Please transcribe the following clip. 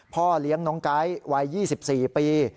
พ่อเลี้ยงน้องไก๊วัย๒๔ปี